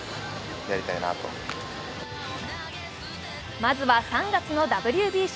まずは３月のＷＢＣ。